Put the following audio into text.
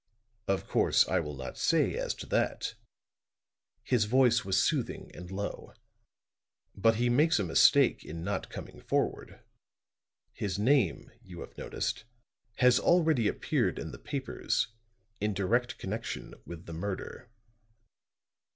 "Of course I will not say as to that." His voice was soothing and low. "But he makes a mistake in not coming forward. His name, you have noticed, has already appeared in the papers in direct connection with the murder."